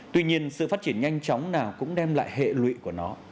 tuy nhiên sự phát triển nhanh chóng nào cũng đem lại hệ lụy của nó